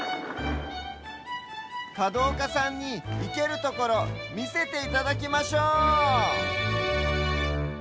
かどうかさんにいけるところみせていただきましょう！